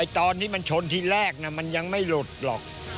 ตอนที่มันชนทีแรกมันยังไม่หลุดหรอก